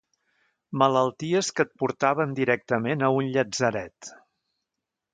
Malalties que et portaven directament a un llatzeret.